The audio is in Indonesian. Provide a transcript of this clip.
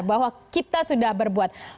bahwa kita sudah berbuat